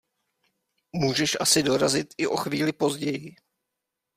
Můžeš asi dorazit i o chvíli později.